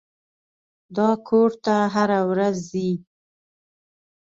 دا کور ته هره ورځ ځي.